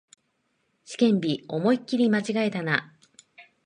試験日、思いっきり間違えたな